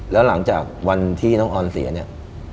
แล้วหลังจากวันที่น้องออนเสียเนี่ย